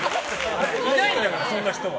いないんだから、そんな人は。